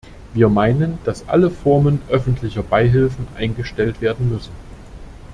Wir meinen, dass alle Formen öffentlicher Beihilfen eingestellt werden müssen.